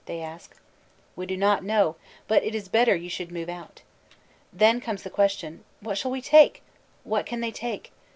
they ask. We do not know but it is better you should move out. Then comes the question, What shall we take? What can they take?